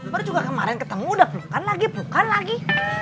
baru juga kemarin ketemu udah pelukan lagi pelukan lagi